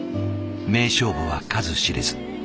名勝負は数知れず。